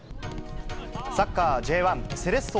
サッカーＪ１・セレッソ